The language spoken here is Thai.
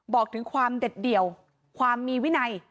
บอกถึงความเด็ดเดี่ยวความมีวินัย